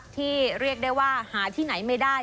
ที่เรียกได้ว่าหาที่ไหนไม่ได้